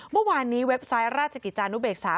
เมื่อวานนี้เว็บไซต์ราชกิจจานุเบกษา